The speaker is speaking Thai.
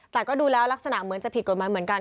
แต่ก็ดูแล้วลักษณะเหมือนจะผิดกฎหมายเหมือนกัน